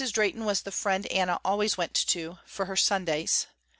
Drehten was the friend Anna always went to, for her Sundays.